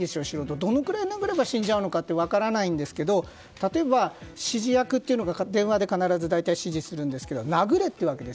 どのぐらい殴れば死ぬのか分からないんですけど例えば指示役というのが電話で必ず大体指示するんですけど殴れと言うわけです。